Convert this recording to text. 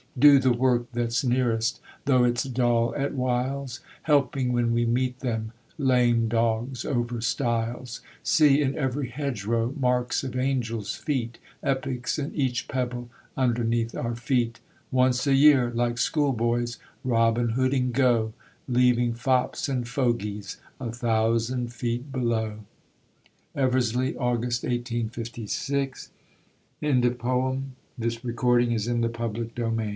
Do the work that's nearest, Though it's dull at whiles, Helping, when we meet them, Lame dogs over stiles; See in every hedgerow Marks of angels' feet, Epics in each pebble Underneath our feet; Once a year, like schoolboys, Robin Hooding go, Leaving fops and fogies A thousand feet below. Eversley, August 1856. THE FIND Yon sound's neither sheep bell nor bark, They're running they're running, Go hark!